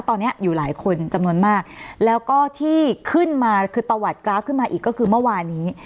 ตอนนี้อยู่หลายคนจำนวนมากแล้วก็ที่ขึ้นมาคือตะวัดกราฟขึ้นมาอีกก็คือเมื่อวานี้